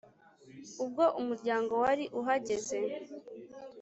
ubwo umuryango wari uhagaze